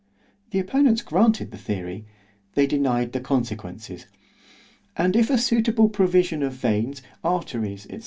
—— ——The opponents granted the theory——they denied the consequences. And if a suitable provision of veins, arteries, &c.